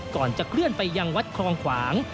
ก่อนจะเคลื่อนไปยังวัดคลองขวาง